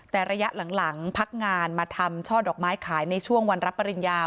แต่ระยะหลังพักงานมาทำช่อดอกไม้ขายในช่วงวันรับปริญญา